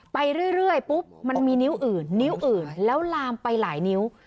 ไปเรื่อยปุ๊บมันมีนิ้วอื่นนิ้วอื่นแล้วลามไปหลายนิ้ว